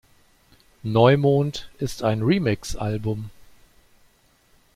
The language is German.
Neumond ist ein Remix-Album.